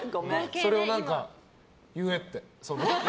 それを何か言えって。